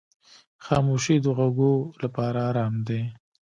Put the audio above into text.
خاموشي د غوږو لپاره آرام دی.